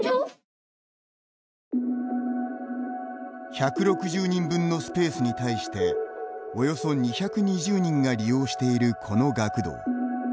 １６０人分のスペースに対しておよそ２２０人が利用しているこの学童。